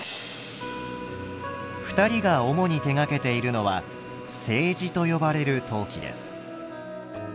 ２人が主に手がけているのは青磁と呼ばれる陶器です。